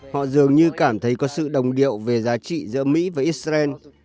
họ dường như cảm thấy có sự đồng điệu về giá trị giữa mỹ và israel